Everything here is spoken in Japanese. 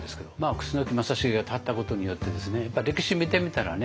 楠木正成が立ったことによってですねやっぱ歴史見てみたらね